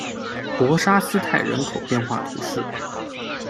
博沙斯泰人口变化图示